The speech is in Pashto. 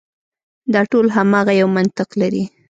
دا ټول هماغه یو منطق لري.